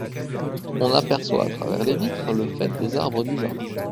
On aperçoit à travers les vitres le faîte des arbres du jardin.